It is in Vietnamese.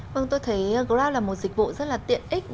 vâng tôi thấy grab là một dịch vụ rất là tiện ích